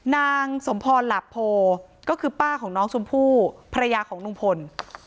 นางสมพรหลาโพก็คือป้าของน้องชมพู่ภรรยาของลุงพล